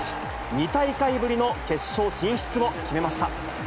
２大会ぶりの決勝進出を決めました。